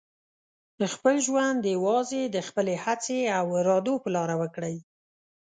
خپل ژوند یوازې د خپلې هڅې او ارادو په لاره وکړئ.